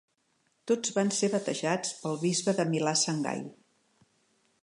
Tots van ser batejats pel bisbe de Milà sant Gai.